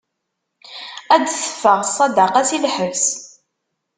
Ad d-teffeɣ ṣṣadaqa si lḥebs.